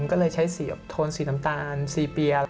ก็เลยใช้สีออกโทนสีตำตาลสีเปียร์